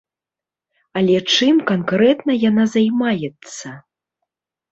Але чым канкрэтна яна займаецца?